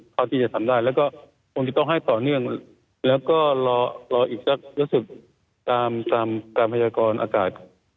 เท่าที่จะทำได้แล้วก็คงจะต้องให้ต่อเนื่องแล้วก็รอรออีกสักรู้สึกตามการพยากรอากาศ